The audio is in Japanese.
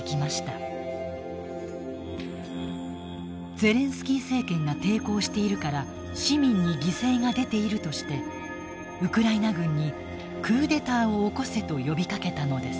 ゼレンスキー政権が抵抗しているから市民に犠牲が出ているとしてウクライナ軍にクーデターを起こせと呼びかけたのです。